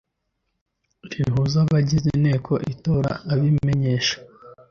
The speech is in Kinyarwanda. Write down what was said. rihuza abagize Inteko itora abimenyesha